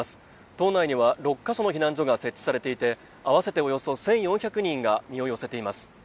島内には６か所の避難所が設置されていて合わせておよそ１４００人が身を寄せています